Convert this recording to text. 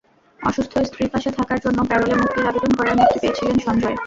অসুস্থ স্ত্রীর পাশে থাকার জন্য প্যারোলে মুক্তির আবেদন করায় মুক্তি পেয়েছিলেন সঞ্জয়।